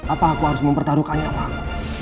apa aku harus mempertaruhkannya sama kamu